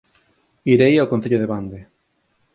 Irei ao Concello de Bande